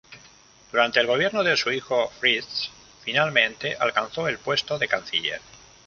Durante el gobierno de su hijo, Fritsch finalmente alcanzó el puesto de Canciller.